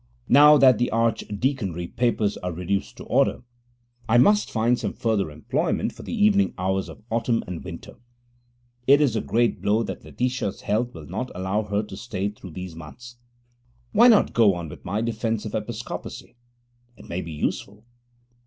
Now that the Archdeaconry papers are reduced to order, I must find some further employment for the evening hours of autumn and winter. It is a great blow that Letitia's health will not allow her to stay through these months. Why not go on with my Defence of Episcopacy? It may be useful.